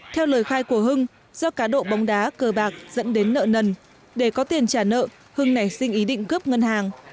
theo lời khai của hưng do cá độ bóng đá cờ bạc dẫn đến nợ nần để có tiền trả nợ hưng nảy sinh ý định cướp ngân hàng